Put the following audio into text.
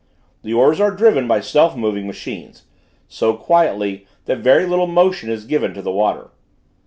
The oars are driven by self moving machines, so quietly that very little motion is given to the water.